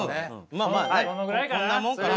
まあまあこんなもんかな？